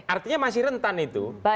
artinya masih rentan itu